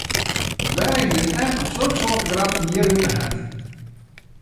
Weagje it net om soksoarte grappen hjir út te heljen!